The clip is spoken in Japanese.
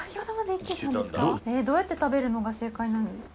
どうやって食べるのが正解なの？